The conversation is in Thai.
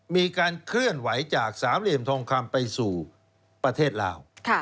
มีการเคลื่อนไหวจากสามเหลี่ยมทองคำไปสู่ประเทศลาว